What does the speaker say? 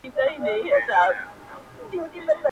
گوره وړې زيارت ته راسه زما واده دی گلي~